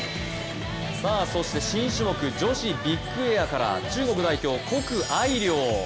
そして新種目、女子ビッグエアから中国代表谷愛凌。